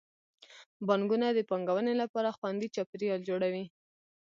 بانکونه د پانګونې لپاره خوندي چاپیریال جوړوي.